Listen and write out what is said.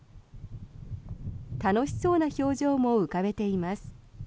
楽しそうな表情も浮かべています。